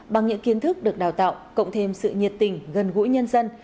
bằng những kiến thức được đào tạo cộng thêm sự nhiệt tình gần gũi nhân dân